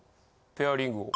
ペアリングを。